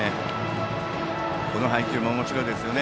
この配球もおもしろいですよね。